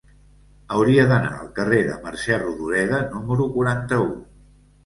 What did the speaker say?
Hauria d'anar al carrer de Mercè Rodoreda número quaranta-u.